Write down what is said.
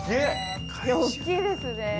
◆大きいですね。